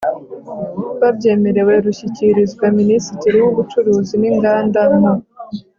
babyemerewe rushyikirizwa Minisitiri w ubucuruzi n inganda mu